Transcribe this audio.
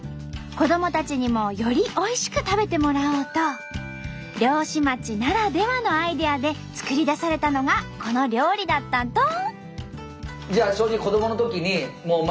子どもたちにもよりおいしく食べてもらおうと漁師町ならではのアイデアで作り出されたのがこの料理だったんと！